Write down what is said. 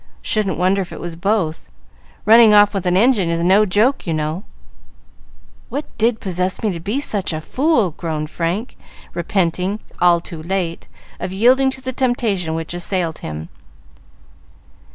"Shouldn't wonder if it was both. Running off with an engine is no joke, you know." "What did possess me to be such a fool?" groaned Frank, repenting, all too late, of yielding to the temptation which assailed him.